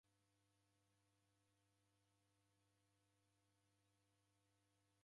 Naboilwa naw'ona koko na sere ngolonyi